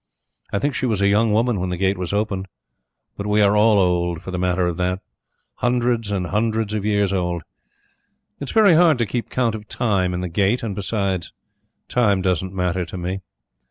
I think she was a young woman when the Gate was opened; but we are all old for the matter of that. Hundreds and hundreds of years old. It is very hard to keep count of time in the Gate, and besides, time doesn't matter to me.